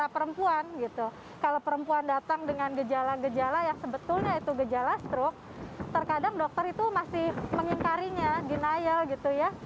pemimpin karinya denial gitu ya